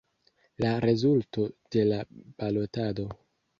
La rezulto de la balotado.